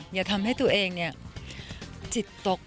อย่าทำให้ตัวเองจิตตก